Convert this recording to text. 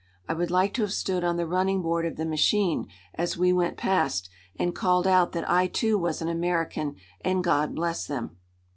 I would like to have stood on the running board of the machine, as we went past, and called out that I, too, was an American, and God bless them!